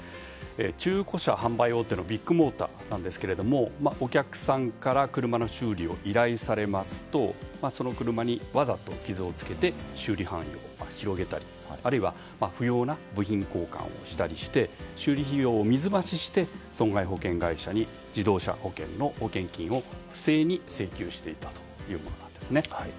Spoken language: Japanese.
中古車販売大手のビッグモーターなんですけれどもお客さんから車の修理を依頼されますとその車にわざと傷をつけて修理範囲を広げたりあるいは不要な部品交換をしたりして修理費用を水増しして損害保険会社に自動車保険の保険金を不正に請求していたというものなんですね。